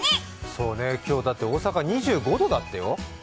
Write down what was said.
そうね、今日、だって大阪２５度だってよ。